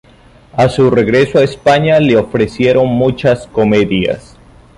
A su regreso a España le ofrecieron muchas comedias.